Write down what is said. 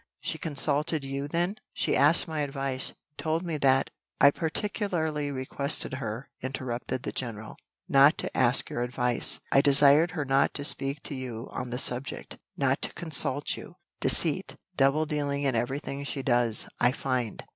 "She consulted you, then?" "She asked my advice, told me that " "I particularly requested her," interrupted the general, "not to ask your advice; I desired her not to speak to you on the subject not to consult you. Deceit double dealing in every thing she does, I find."